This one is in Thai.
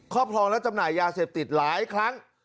ครองและจำหน่ายยาเสพติดหลายครั้ง